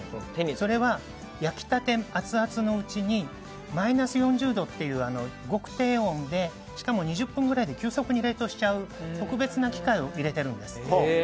それは、焼きたてアツアツのうちにマイナス４０度極低温でしかも２０分ぐらいで急速に冷凍しちゃう特別な機械を入れているんです。